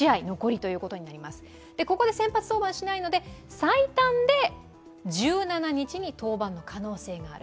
ここで先発登板しないので、最短で１７日登板の可能性がある。